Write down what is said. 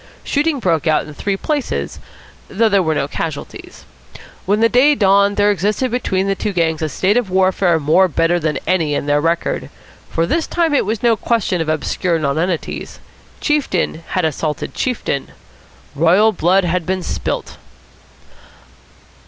Shooting broke out in three places, though there were no casualties. When the day dawned there existed between the two gangs a state of war more bitter than any in their record; for this time it was no question of obscure nonentities. Chieftain had assaulted chieftain; royal blood had been spilt.